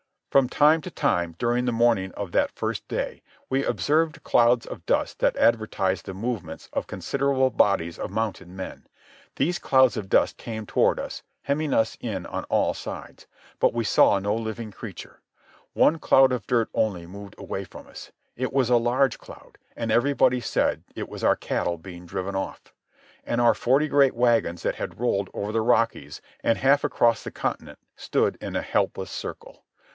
From time to time, during the morning of that first day, we observed clouds of dust that advertised the movements of considerable bodies of mounted men. These clouds of dust came toward us, hemming us in on all sides. But we saw no living creature. One cloud of dirt only moved away from us. It was a large cloud, and everybody said it was our cattle being driven off. And our forty great wagons that had rolled over the Rockies and half across the continent stood in a helpless circle.